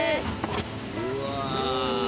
うわ！